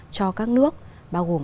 cho các nước bao gồm